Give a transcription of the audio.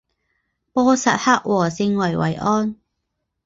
波萨克和圣维维安。